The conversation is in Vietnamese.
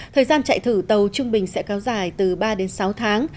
thời gian chạy thử tàu trung bình sẽ kéo dài từ ba đến sáu tháng